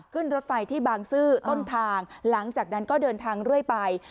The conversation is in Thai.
ขึ้นรถไฟที่บางซื่อต้นทางหลังจากนั้นก็เดินทางเรื่อยไป